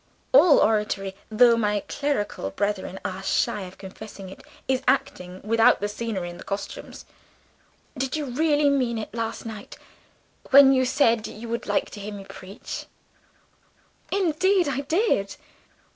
All oratory (though my clerical brethren are shy of confessing it) is acting without the scenery and the costumes. Did you really mean it, last night, when you said you would like to hear me preach?" "Indeed, I did."